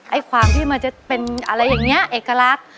ไอ้ความที่มันจะเป็นอะไรอย่างนี้เอกลักษณ์